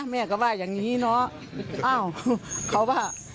แม่ก็ว่าอย่างนี้เนาะ